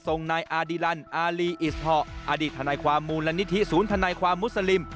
ทรงนายอดิลันอลีอิสทอกอดีตธาตุความมูลนิธิศูนย์ธนายความมุสลิม